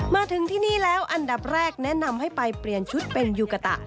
มาถึงที่นี่แล้วอันดับแรกแนะนำให้ไปเปลี่ยนชุดเป็นยูกะตะ